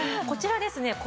こちらですね